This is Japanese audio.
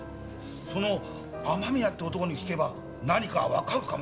その雨宮って男に聞けば何かわかるかもしれませんな。